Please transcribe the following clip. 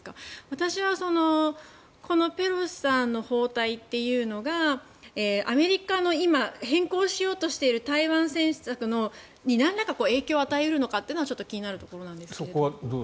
私はこのペロシさんの訪台というのがアメリカの今変更しようとしている台湾政策になんらか影響を与えるのかは気になるところなんですが。